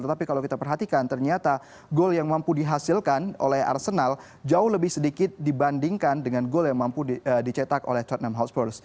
tetapi kalau kita perhatikan ternyata gol yang mampu dihasilkan oleh arsenal jauh lebih sedikit dibandingkan dengan gol yang mampu dicetak oleh tottenham hotspurs